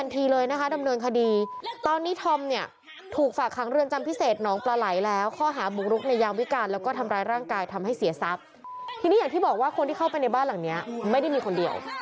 ทีนี้อย่างที่บอกว่าคนที่เข้าไปในบ้านหลังนี้ไม่ได้มีคนเดียว